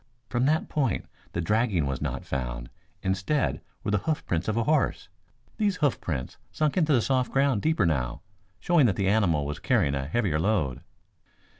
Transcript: From that point the dragging was not found. Instead, were the hoofprints of a horse. These hoofprints sunk into the soft ground deeper now, showing that the animal was carrying a heavier load."